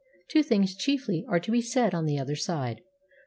Two things, chiefly, are to be said on the other side.